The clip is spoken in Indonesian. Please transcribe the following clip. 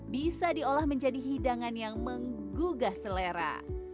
bisa diolah menjadi hidangan yang menggugah selera